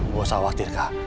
gak usah khawatir kak